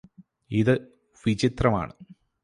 ഇത് വിചിത്രമാണ്